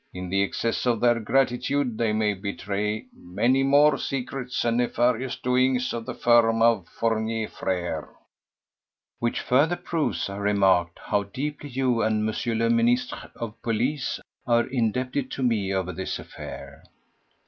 "In the excess of their gratitude they may betray many more secrets and nefarious doings of the firm of Fournier Frères." "Which further proves," I remarked, "how deeply you and Monsieur le Ministre of Police are indebted to me over this affair."